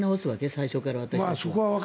最初から、私たち。